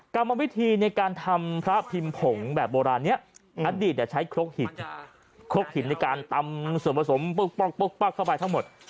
กรรมวิธีในการทำพระพิมผงแบบโบราณนี้อัดดีตใช้ครกหิดในการตำส่วนผสมเข้าไปทั้งหมด